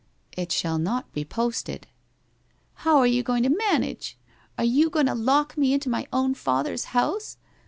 ' It shall not be posted/ * How are you going to manage ? Are you going to lock me into my own father's house